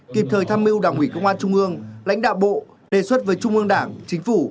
kịp thời tham mưu đảng ủy công an trung ương lãnh đạo bộ đề xuất với trung ương đảng chính phủ